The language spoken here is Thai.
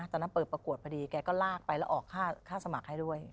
เปิดประกวดพอดีแกก็ลากไปแล้วออกค่าสมัครให้ด้วย